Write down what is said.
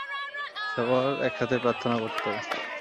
সবার একসাথে প্রার্থনা করতে হবে।